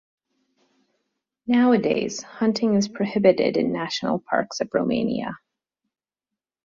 Nowadays, hunting is prohibited in national parks of Romania.